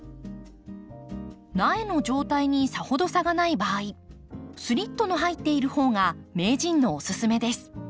苗の状態にさほど差がない場合スリットの入っているほうが名人のおすすめです。